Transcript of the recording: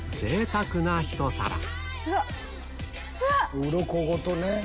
うろこごとね。